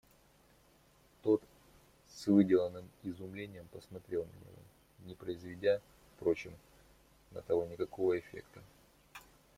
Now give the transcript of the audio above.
Тот с выделанным изумлением посмотрел на него, не произведя, впрочем, на того никакого эффекта.